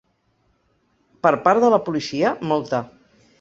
Per part de la policia, molta.